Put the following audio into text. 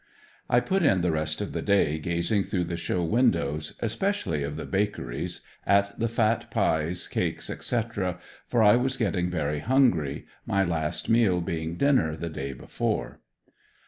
I put in the rest of the day gazing through the show windows, especially of the bakeries, at the fat pies, cakes, etc., for I was getting very hungry, my last meal being dinner the day before.